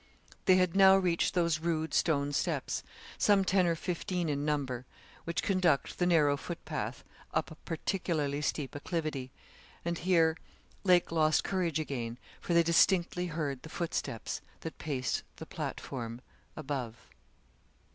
They had now reached those rude stone steps, some ten or fifteen in number, which conduct the narrow footpath up a particularly steep acclivity, and here Lake lost courage again, for they distinctly heard the footsteps that paced the platform above.